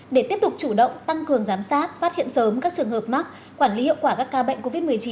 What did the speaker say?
để tiếp tục chủ động tăng cường giám sát phát hiện sớm các trường hợp mắc quản lý hiệu quả các ca bệnh covid một mươi chín